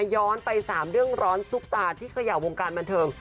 ย้อนไป๓เรื่องร้อนซุปตาที่เขย่าวงการบันเทิง